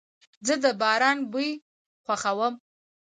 زه د باران بوی خوښوم.